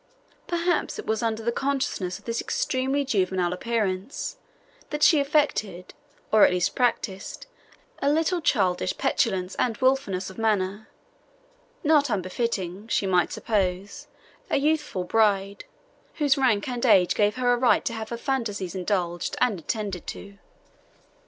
Perhaps it was under the consciousness of this extremely juvenile appearance that she affected, or at least practised, a little childish petulance and wilfulness of manner, not unbefitting, she might suppose, a youthful bride, whose rank and age gave her a right to have her fantasies indulged and attended to.